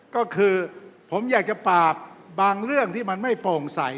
ก็คือผมอยากจะปราบบางเรื่องที่มันไม่โปร่งใส